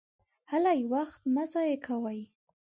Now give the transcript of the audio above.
هلئ! وخت مه ضایع کوئ!